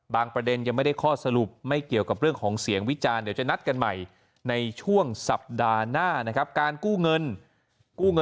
ประเด็นยังไม่ได้ข้อสรุปไม่เกี่ยวกับเรื่องของเสียงวิจารณ์เดี๋ยวจะนัดกันใหม่ในช่วงสัปดาห์หน้านะครับการกู้เงินกู้เงิน